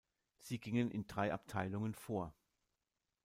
Sie gingen in drei Abteilungen vor.